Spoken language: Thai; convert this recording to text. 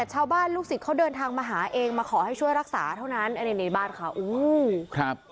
ชาวบ้านลูกศิษย์เขาเดินทางมาหาเองมาขอให้รักษาเท่านั้นในบ้านค่ะ